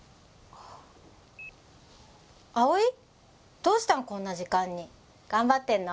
どうしたのこんな時間に、頑張ってるの？